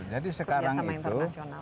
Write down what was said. jadi sekarang itu